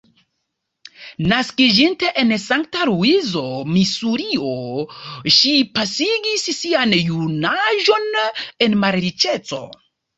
Naskiĝinte en Sankta-Luizo, Misurio, ŝi pasigis sian junaĝon en malriĉeco.